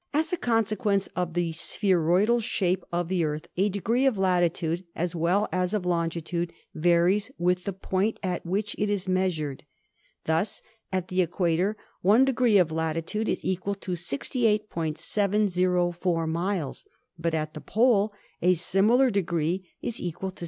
As a consequence of the spheroidal shape of the Earth a degree of latitude, as well as of longitude, varies with the point at which it is measured. Thus at the equator one degree of latitude is equal to 68.704 miles, but at the pole a similar degree is equal to 69.